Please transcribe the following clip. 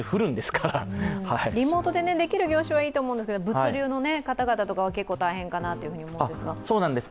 リモートでできる業種ならいいんですが、物流なんかは結構大変かなと思うんですが。